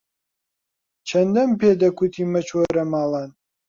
چەندەم پێ دەکوتی مەچۆرە ماڵان